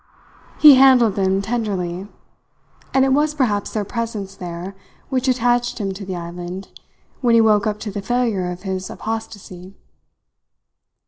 He handled them tenderly; and it was perhaps their presence there which attached him to the island when he woke up to the failure of his apostasy.